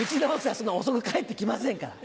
そんな遅く帰ってきませんから。